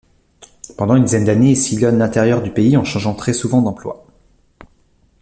Pendant une dizaine d'années, il sillonne l'intérieur du pays en changeant très souvent d'emploi.